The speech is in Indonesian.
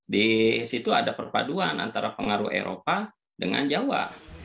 di situ ada perpaduan antara pengaruh eropa dengan jawa